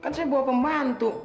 kan saya bawa pembantu